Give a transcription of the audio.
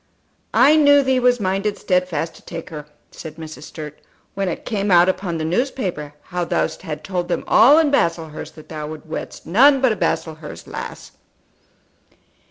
"I knew thee was minded stedfast to take her," said Mrs. Sturt, "when it came out upon the newspaper how thou hadst told them all in Baslehurst that thou wouldst wed none but a Baslehurst lass."